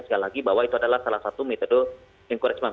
sekali lagi bahwa itu adalah salah satu metode encouragement